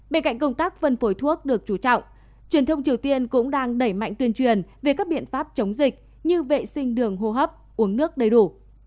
bên cạnh công tác phân phối thuốc được chú trọng truyền thông triều tiên cũng đang đẩy mạnh tuyên truyền về các biện pháp chống dịch như vệ sinh đường hô hấp uống nước đầy đủ